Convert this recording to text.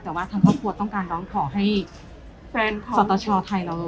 แต่ว่าทางครอบครัวต้องการร้องขอให้สตชไทยแล้ว